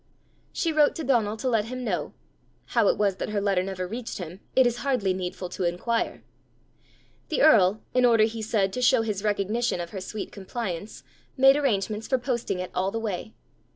She wrote to Donal to let him know: how it was that her letter never reached him, it is hardly needful to inquire. The earl, in order, he said, to show his recognition of her sweet compliance, made arrangements for posting it all the way.